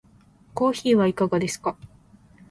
コーヒーはいかがですか？